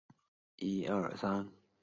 孟启予任中央电视台副台长。